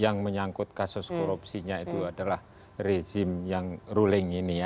yang menyangkut kasus korupsinya itu adalah rezim yang ruling ini ya